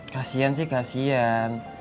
kasian sih kasian